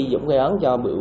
dũng gây án cho biểu